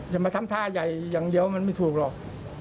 อย่ามาทำท่าใหญ่อย่างเดียวมันไม่ถูกหรอก